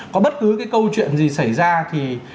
có bất cứ cái câu chuyện gì xảy ra thì